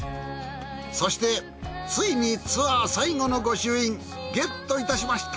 そしてついにツアー最後の御朱印ゲットいたしました。